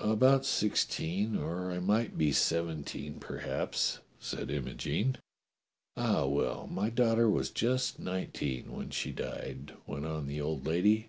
^" "About sixteen, or I might be seventeen perhaps," said Imogene. "Ah, well, my daughter was just nineteen when she died," went on the old lady.